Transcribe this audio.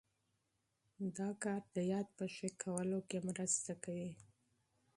دا کار د یاد په ښه کولو کې مرسته کوي.